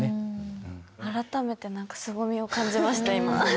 改めて何かすごみを感じました今。